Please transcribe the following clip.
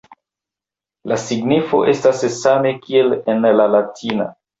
La signifo estas same kiel en la latina.